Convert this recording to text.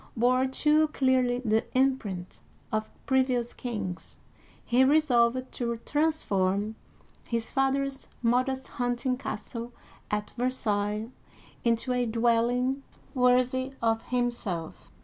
bore, too clearly the imprint of previous kings, he resolved to transform his father's modest hunting castle at Versailles into a Versailles. dwelling worthy of himself.